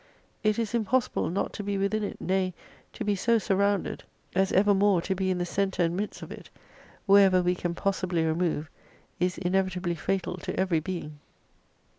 It is impossible not to be within it, nay, to be so surrounded as evermore to 320 be in the centre and midst of it, wherever we can pos sibly remove, is inevitably fatal to every being.